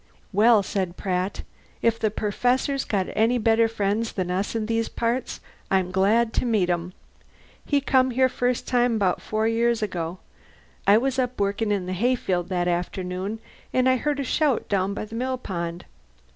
"Well," said Pratt, "if the Perfessor's got any better friends than us in these parts, I'm glad to meet 'em. He come here first time 'bout four years ago. I was up working in the hayfield that afternoon, and I heard a shout down by the mill pond.